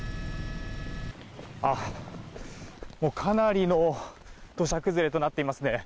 もうかなりの土砂崩れとなっていますね。